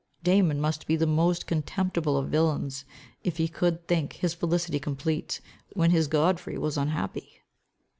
Damon must be the most contemptible of villains, if he could think his felicity complete, when his Godfrey was unhappy."